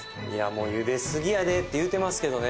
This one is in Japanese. もう茹ですぎやでって言うてますけどね